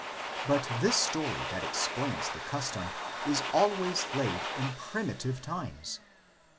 But this story that explains the custom is always laid in primitive times.